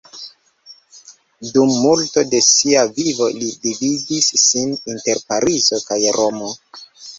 Dum multo de sia vivo li dividis sin inter Parizo kaj Romo.